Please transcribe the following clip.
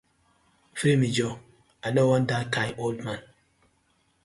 Free me joor, I no wan dat kind old man.